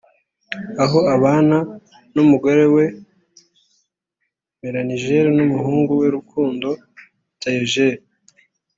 aho abana n’umugore we Melanie Gale n’umuhungu we Rukundo Taye Jr